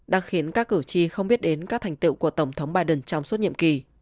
đang khiến các cử tri không biết đến các thành tựu của tổng thống biden trong suốt nhiệm kỳ